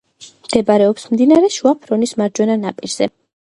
მდებარეობს მდინარე შუა ფრონის მარჯვენა ნაპირზე.